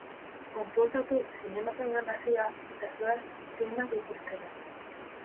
Kontsultatu zinema-programazioa eta zoaz filmak ikustera!